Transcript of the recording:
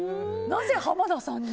なぜ、浜田さんに？